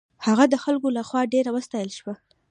هغه د خلکو له خوا ډېر وستایل شو.